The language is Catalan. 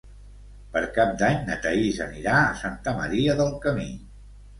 Per Cap d'Any na Thaís anirà a Santa Maria del Camí.